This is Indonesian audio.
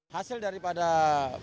hasil dari pemeriksaan